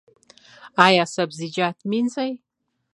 ایا سبزیجات مینځئ؟